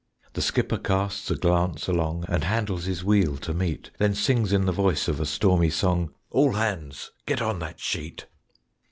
The skipper casts a glance along, And handles his wheel to meet Then sings in the voice of a stormy song, "All hands get on that sheet!"